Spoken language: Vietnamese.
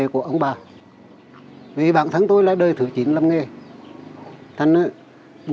có bản đã hơn ba trăm linh năm